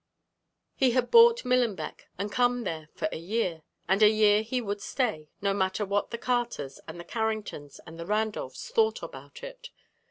He had bought Millenbeck and come there for a year, and a year he would stay, no matter what the Carters and the Carringtons and the Randolphs thought about it.